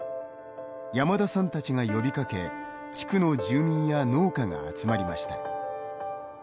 山田さんたちが呼びかけ地区の住民や農家が集まりました。